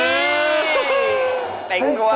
เต้นกลัวรอเลยค่ะ